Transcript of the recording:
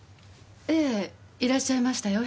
ええいらっしゃいましたよ